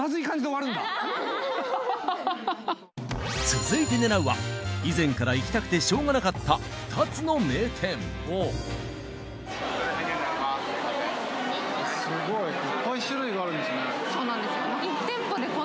続いて狙うは以前から行きたくてしょうがなかった２つの名店これメニューになります